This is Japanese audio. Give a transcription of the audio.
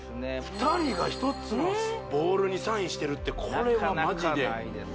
２人が１つのボールにサインしてるってこれはマジでなかなかないです